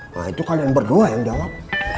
wah itu kalian berdua yang jawab